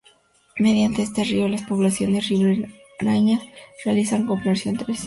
Mediante este río, las poblaciones ribereñas realizan comercio entre sí.